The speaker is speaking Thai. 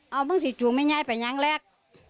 เอามึงสิจุอย่างนี้ไปยังแรก